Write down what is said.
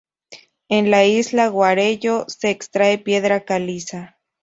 En la Isla Guarello se extrae piedra caliza.